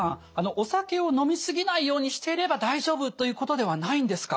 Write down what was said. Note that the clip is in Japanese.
お酒を飲み過ぎないようにしていれば大丈夫ということではないんですか？